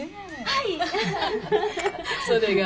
はい。